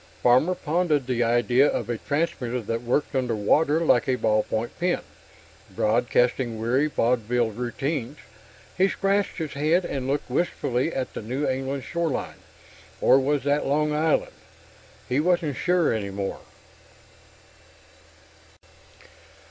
Farmer pondered the idea of a transmitter that worked under water like a ball point pen, broadcasting weary vaudeville routines. He scratched his head and looked wistfully at the New England shoreline or was that Long Island? He wasn't sure any more....